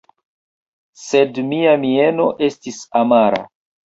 Sed mia mieno estis amara.